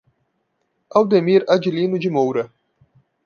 Aldemir Adilino de Moura